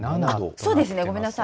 そうですね、ごめんなさい。